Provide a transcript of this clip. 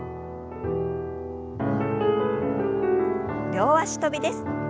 両脚跳びです。